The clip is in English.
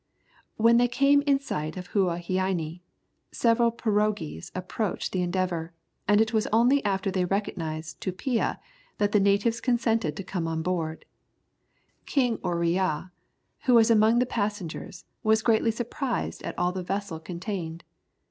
When they came in sight of Huaheine, several pirogues approached the Endeavour, and it was only after they had recognized Tupia that the natives consented to come on board. King Oreá, who was among the passengers, was greatly surprised at all the vessel contained.